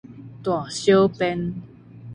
大小便